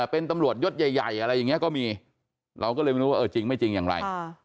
เป็นตำรวจยศใหญ่อะไรอย่างนี้ก็มีเราก็เลยไม่รู้ว่าเออจริงไม่จริงอย่างไร